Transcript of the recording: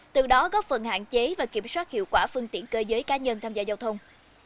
từ đó góp phần hạn chế và kiểm soát hiệu quả phương tiện cơ giới cá nhân tham gia giao thông